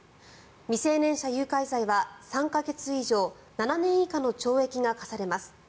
未成年者誘拐罪は３か月以上７年以下の懲役が科されます。